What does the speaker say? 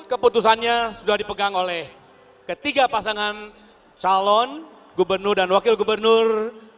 keputusannya sudah dipegang oleh ketiga pasangan calon gubernur dan wakil gubernur